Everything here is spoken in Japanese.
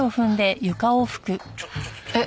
えっ？